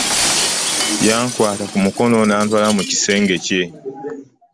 Yankwata ku mukono nantwala mu kisenge kye.